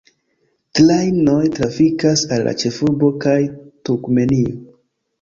Trajnoj trafikas al la ĉefurbo kaj Turkmenio.